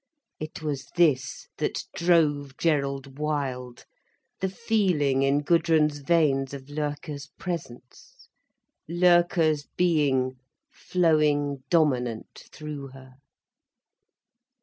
It was this that drove Gerald wild, the feeling in Gudrun's veins of Loerke's presence, Loerke's being, flowing dominant through her.